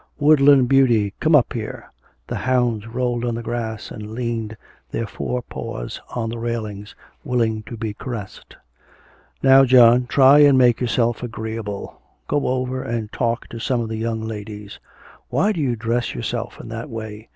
Woodland Beauty, come up here.' The hounds rolled on the grass and leaned their fore paws on the railings, willing to be caressed. 'Now, John, try and make yourself agreeable; go over and talk to some of the young ladies. Why do you dress yourself in that way?